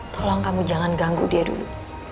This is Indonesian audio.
tolong kamu jangan ganggu dia dulu